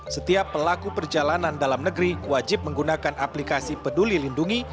setiap pelaku perjalanan dalam negeri wajib menggunakan aplikasi peduli lindungi